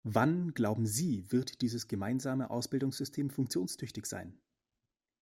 Wann, glauben Sie, wird dieses gemeinsame Ausbildungssystem funktionstüchtig sein?